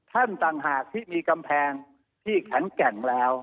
ท่านทางหากที่มีกำแพงที่ขันแข็งแล้ว